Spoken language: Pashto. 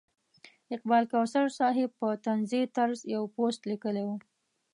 اقبال کوثر صاحب په طنزي طرز یو پوسټ لیکلی و.